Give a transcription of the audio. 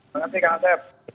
terima kasih kang asep